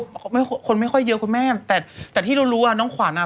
ไม่ค่อยคนไม่ค่อยเยอะคุณแม่แต่แต่ที่เรารู้ว่าน้องขวัญอ่ะ